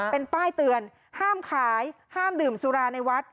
เป็นป้ายเตือนห้ามขายห้ามดื่มสุราในวัด